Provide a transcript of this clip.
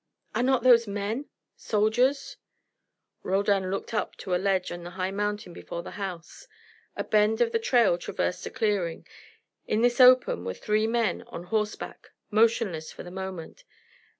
Are not those men; soldiers?" Roldan looked up to a ledge of the high mountain before the house. A bend of the trail traversed a clearing. In this open were three men on horseback, motionless for the moment.